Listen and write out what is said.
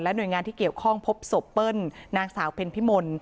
หน่วยงานที่เกี่ยวข้องพบศพเปิ้ลนางสาวเพ็ญพิมล